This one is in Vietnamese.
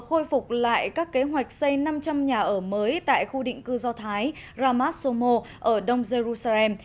khôi phục lại các kế hoạch xây năm trăm linh nhà ở mới tại khu định cư do thái ramas somo ở đông jerusalem